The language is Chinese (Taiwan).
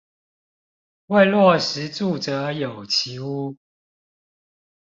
為落實住者有其屋